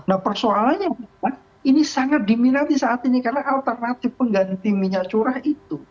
nah persoalannya bukan ini sangat diminati saat ini karena alternatif pengganti minyak curah itu